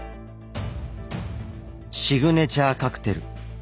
シグネチャーカクテル。